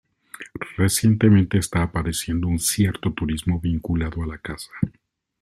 Recientemente está apareciendo un cierto turismo vinculado a la caza.